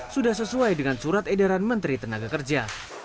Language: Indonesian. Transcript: sudah sesuai dengan surat edaran menteri tenaga kerja